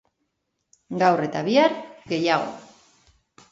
Gaur eta bihar, gehiago.